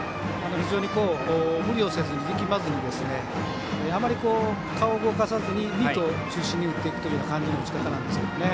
非常に無理をせずに力まずにあまり顔を動かさずにミート中心に打っていくという中心の持ち方なんですよね。